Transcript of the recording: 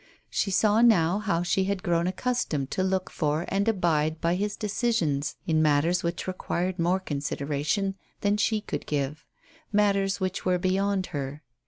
She saw now how she had grown accustomed to look for and abide by his decisions in matters which required more consideration than she could give matters which were beyond her.